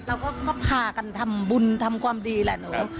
เราก็พากันทำบุญทำความดีแหละหนู